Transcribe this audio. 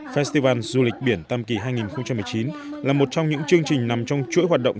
festival du lịch biển tam kỳ hai nghìn một mươi chín là một trong những chương trình nằm trong chuỗi hoạt động